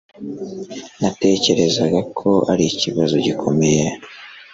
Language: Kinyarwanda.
ntatekereza ko arikibazo gikomeye.